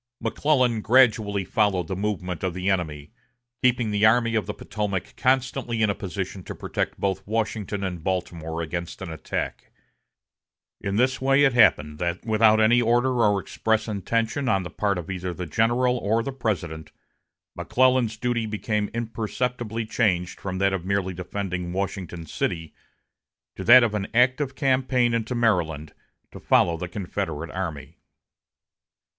McClellan gradually followed the movement of the enemy, keeping the Army of the Potomac constantly in a position to protect both Washington and Baltimore against an attack. In this way it happened that without any order or express intention on the part of either the general or the President, McClellan's duty became imperceptibly changed from that of merely defending Washington city to that of an active campaign into Maryland to follow the Confederate army.